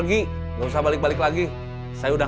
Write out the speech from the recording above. gak ada masalah